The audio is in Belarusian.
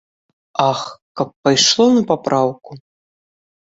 Ах, каб пайшло на папраўку.